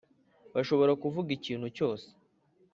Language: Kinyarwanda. bashobora kuvuga ikintu cyose